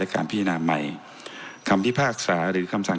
ท่านจะวินิจฉัยมานั้นนะครับซึ่ง